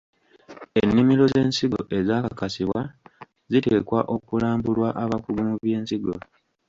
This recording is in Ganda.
Ennimiro z’ensigo ezaakakasibwa ziteekwa okulambulwa abakugu mu by’ensigo.